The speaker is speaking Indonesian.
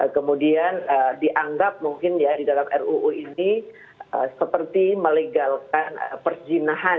kemudian dianggap mungkin ya di dalam ruu ini seperti melegalkan perjinahan